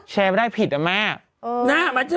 แชร์ไม่ได้ผิดนะแม่